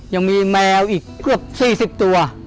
ยังมีแมวอีกเกือบ๔๐ตัว